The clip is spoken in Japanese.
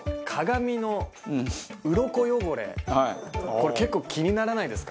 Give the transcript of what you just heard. これ結構気にならないですか？